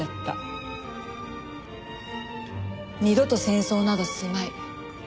二度と戦争などすまい。